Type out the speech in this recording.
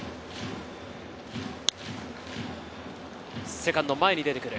セカンド、前に出てくる。